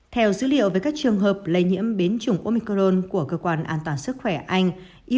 theo dữ liệu về các trường hợp lây nhiễm biến chủng omicron của cơ quan an toàn sức khỏe anh